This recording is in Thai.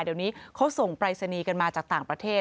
เดี๋ยวนี้เขาส่งปรายศนีย์กันมาจากต่างประเทศ